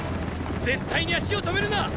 絶対に足を止めるな！